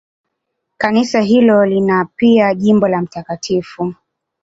Kanisa hilo lina pia jimbo la Mt.